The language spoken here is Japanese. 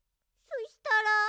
そしたら。